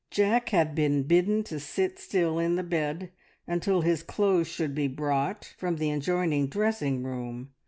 Jack had been bidden to sit still in bed until his clothes should be brought; from the adjoining dressing room.